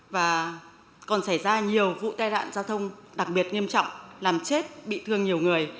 và còn xảy ra nhiều vụ tai nạn giao thông đặc biệt nghiêm trọng làm chết bị thương nhiều người